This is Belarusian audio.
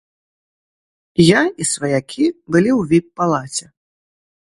Я і сваякі былі ў віп-палаце.